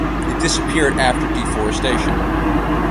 It disappeared after deforestation.